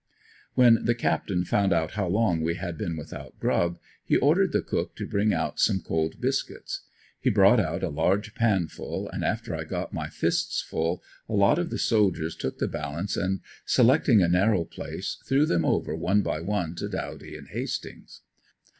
When the captain found out how long we had been without grub he ordered the cook to bring out some cold biscuits. He brought out a large pan full, and after I got my fists full, a lot of the soldiers took the balance and selecting a narrow place, threw them over one by one to Dawdy and Hastings.